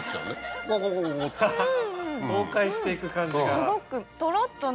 崩壊していく感じが。